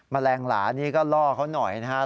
แมลงหลานี่ก็ล่อเขาหน่อยนะครับ